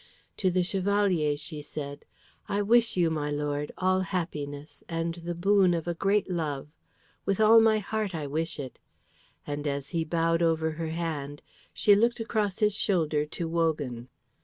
To the Chevalier she said, "I wish you, my lord, all happiness, and the boon of a great love. With all my heart I wish it;" and as he bowed over her hand, she looked across his shoulder to Wogan.